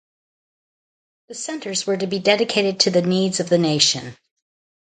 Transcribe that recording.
The centres were to be dedicated to the needs of the nation.